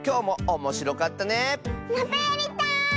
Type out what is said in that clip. またやりたい！